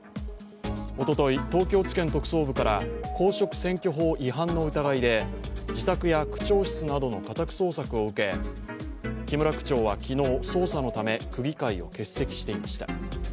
おととい、東京地検特捜部から公職選挙法違反の疑いで自宅や区長室などの家宅捜索を受け、木村区長は昨日、捜査のため、区議会を欠席していました。